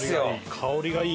香りがいい。